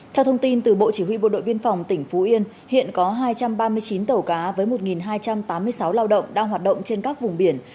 theo thông tin từ bộ chỉ huy bộ đội biên phòng tỉnh phú yên hiện có hai trăm ba mươi chín tàu cá với một hai trăm tám mươi sáu lao động đang hoạt động trên các vùng biển